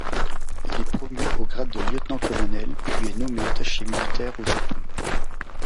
Il est promu au grade de lieutenant-colonel puis est nommé attaché militaire au japon.